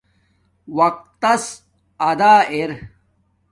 وقت تس ادا اِر